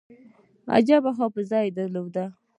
عجیبه حافظه یې درلوده.